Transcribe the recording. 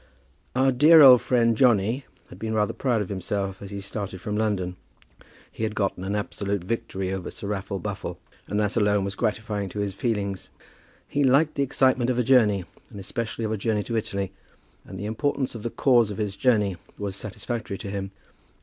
Our dear old friend Johnny had been rather proud of himself as he started from London. He had gotten an absolute victory over Sir Raffle Buffle, and that alone was gratifying to his feelings. He liked the excitement of a journey, and especially of a journey to Italy; and the importance of the cause of his journey was satisfactory to him.